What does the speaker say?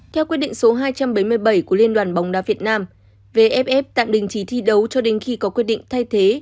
theo quyết định số hai trăm bảy mươi bảy của liên đoàn bóng đá việt nam vff tạm đình chỉ thi đấu cho đến khi có quyết định thay thế